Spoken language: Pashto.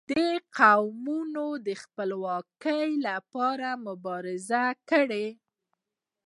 • دا قوم د خپلواکي لپاره مبارزه کړې.